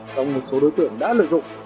sau một số đối tượng đã lợi dụng